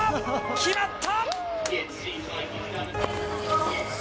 決まった！